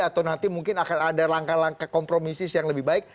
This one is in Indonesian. atau nanti mungkin akan ada langkah langkah kompromisis yang lebih baik